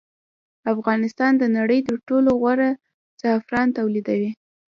افغانستان د نړۍ تر ټولو غوره زعفران تولیدوي